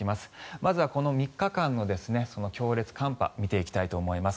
まずは、この３日間の強烈寒波見ていきたいと思います。